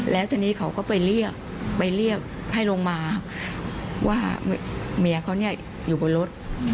แล้วทีนี้เขาก็ไปเรียกไปเรียกให้ลงมาว่าเมียเขาอยู่บนรถ